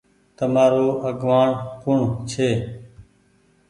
تمآرو آگوآڻ ڪوڻ ڇي۔